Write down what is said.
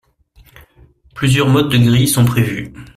Plusieurs modes de grilles sont prévus.